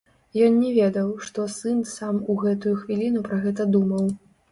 Ён не ведаў, што сын сам у гэтую хвіліну пра гэта думаў.